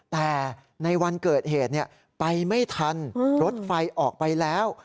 แต่ในวันเกิดเหตุไปไม่ทันรถไฟออกไปแล้ว